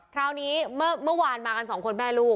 คราวนี้เมื่อวานมากันสองคนแม่ลูก